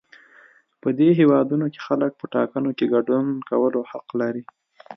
په دې هېوادونو کې خلک په ټاکنو کې ګډون کولو حق لري.